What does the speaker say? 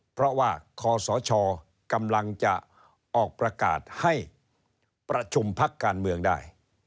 เพราะว่าคศกำลังจะออกประกาศให้ประชุมพักการเมืองได้